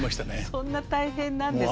そんな大変なんですね。